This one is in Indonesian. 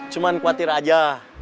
cuman khawatir aja